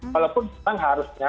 walaupun memang harusnya